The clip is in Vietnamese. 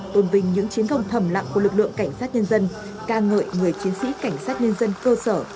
tôn vinh những chiến công thầm lặng của lực lượng cảnh sát nhân dân ca ngợi người chiến sĩ cảnh sát nhân dân cơ sở